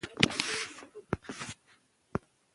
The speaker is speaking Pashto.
کارته پر بایسکل تلل د فزیکي فعالیت ښه مثال دی.